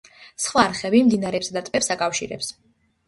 სხვა არხები მდინარეებსა და ტბებს აკავშირებს.